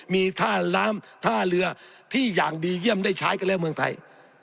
มีท่าน้ำท่าเรือที่อย่างดีเยี่ยมได้ใช้กันแล้วเมืองไทย